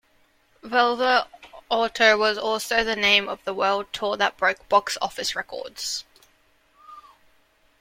Vuela alto was also the name of the world tour that broke box-office records.